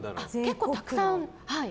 結構たくさん。